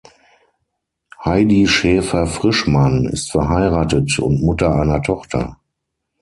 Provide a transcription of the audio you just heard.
Heidi Schäfer-Frischmann ist verheiratet und Mutter einer Tochter.